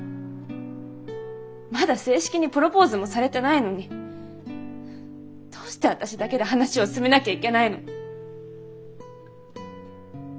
まだ正式にプロポーズもされてないのにどうして私だけで話を進めなきゃいけないの？